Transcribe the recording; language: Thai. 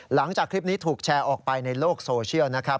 หลังจากคลิปนี้ถูกแชร์ออกไปในโลกโซเชียลนะครับ